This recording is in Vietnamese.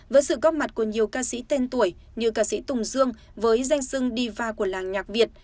với sự góp mặt của nhiều ca sĩ tên tuổi như ca sĩ tùng dương với danh sưng dia của làng nhạc việt